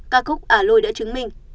ca khúc aloy đã chứng minh